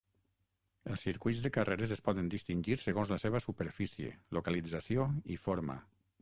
Els circuits de carreres es poden distingir segons la seva superfície, localització i forma.